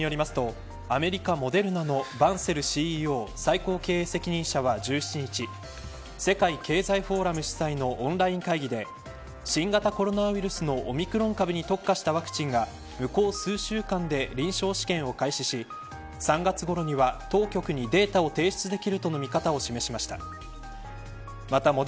ロイター通信によりますとアメリカ、モデルナのバンセルＣＥＯ最高経営責任者は１７日世界経済フォーラム主催のオンライン会議で新型コロナウイルスのオミクロン株に特化したワクチンが向こう数週間で臨床試験を開始し３月ごろには、当局にデータを提出できるとの見方を示しました。